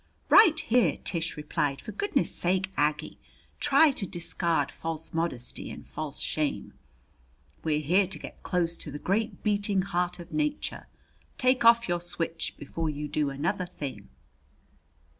"Right here!" Tish replied. "For goodness sake, Aggie, try to discard false modesty and false shame. We're here to get close to the great beating heart of Nature. Take off your switch before you do another thing."